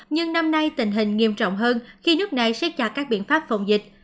nhưng năm nay tình hình nghiêm trọng hơn khi nước này xét chặt các biện pháp phòng dịch